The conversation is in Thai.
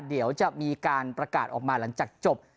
เดี๋ยวจะมีการประกาศออกมาหลังจากจบ